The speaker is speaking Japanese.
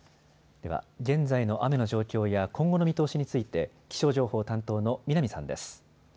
では現在の雨の状況や今後の見通しについて気象情報担当の南さんです。